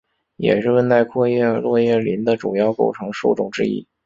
也是温带阔叶落叶林的主要构成树种之一。